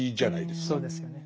そうですよね。